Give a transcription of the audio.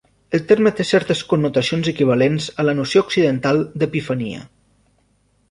El terme té certes connotacions equivalents a la noció occidental d'epifania.